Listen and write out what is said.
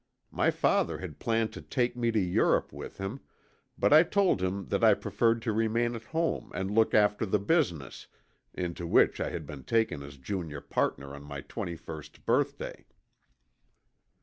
My father had planned to take me to Europe with him, but I told him that I preferred to remain at home and look after the business, into which I had been taken as junior partner on my twenty first birthday.